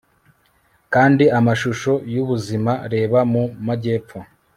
Kandi amashusho yubuzima Reba mu majyepfo